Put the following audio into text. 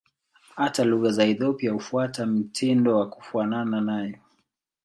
Hata lugha za Ethiopia hufuata mtindo wa kufanana nayo.